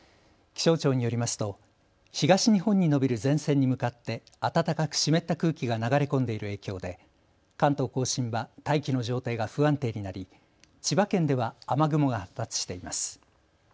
気象庁によりますと東日本に延びる前線に向かって暖かく湿った空気が流れ込んでいる影響で関東甲信は大気の状態が不安定になり千葉県では雨雲が発達しています。